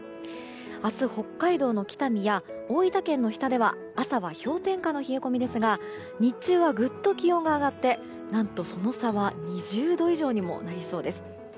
明日、北海道の北見や大分県の日田では朝は氷点下の冷え込みですが日中はぐっと気温が上がってその差は２０度以上にもなりそうです。